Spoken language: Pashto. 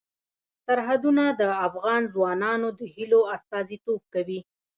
سرحدونه د افغان ځوانانو د هیلو استازیتوب کوي.